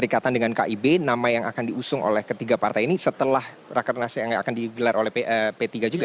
berdekatan dengan kib nama yang akan diusung oleh ketiga partai ini setelah rakernas yang akan digelar oleh p tiga juga